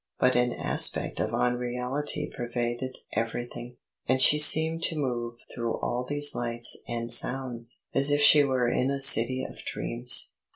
But an aspect of unreality pervaded everything, and she seemed to move through all these lights and sounds as if she were in a city of dreams.